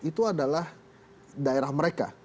itu adalah daerah mereka